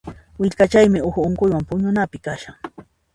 Willkachaymi uhu unquywan puñunapim kashan.